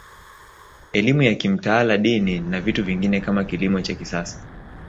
Elimu ya kimtaala Dini na vitu vingine kama kilimo cha kisasa